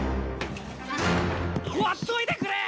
ほっといてくれ！